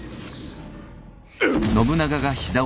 うっ。